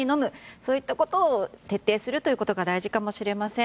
そういったことを徹底するということが大事かもしれません。